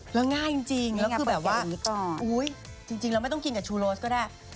แล้วง่ายจริงแล้วคือแบบว่าอุ๊ยจริงเราไม่ต้องกินกับชูโรสก็ได้